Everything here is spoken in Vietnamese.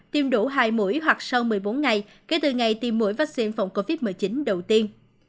tiêm đủ hai mũi hoặc sau một mươi bốn ngày kể từ ngày tiêm mũi vaccine phòng covid một mươi chín đầu tiên